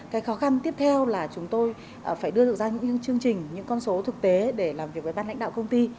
cái khó khăn tiếp theo là chúng tôi phải đưa ra những chương trình những con số thực tế để làm việc với ban lãnh đạo công ty